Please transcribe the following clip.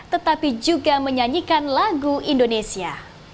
tetapi juga menyanyikan lagu indonesia